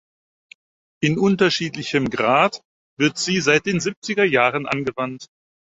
In unterschiedlichem Grad wird sie seit den siebziger Jahren angewandt.